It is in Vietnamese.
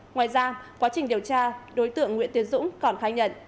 ngoài ra quá trình điều tra đối tượng nguyễn tiến dũng còn khai nhận